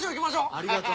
ありがとう。